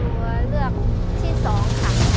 ตัวเลือกที่๒ค่ะ